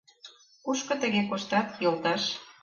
— Кушко тыге коштат, йолташ?